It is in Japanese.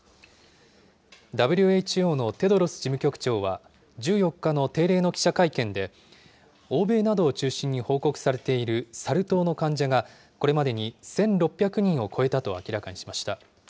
ＷＨＯのテドロス事務局長は、１４日の定例の記者会見で、欧米などを中心に報告されているサル痘の患者が、これまでに１６００人を超えたと明らかにしました。